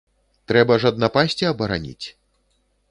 Трэба ж ад напасці абараніць.